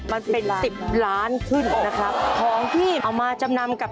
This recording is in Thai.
มันเป็น๑๐ล้านขึ้นนะครับ